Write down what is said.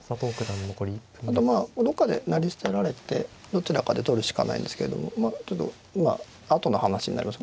あとまあどっかで成り捨てられてどちらかで取るしかないんですけどもまあちょっと後の話になります。